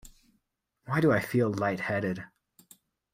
Why do I feel light-headed?